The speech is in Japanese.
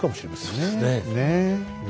そうですね。